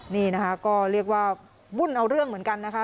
นี่นะคะก็เรียกว่าบุ่นเอาเรื่องเหมือนกันนะคะ